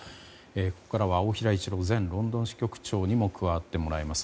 ここからは大平一郎ロンドン前支局長にも加わってもらいます。